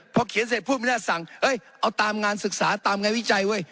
พอเขียนเสร็จผู้เมียนหน้าสั่งเอ้ยเอาตามงานศึกษาตามไงวิจัยเว้ย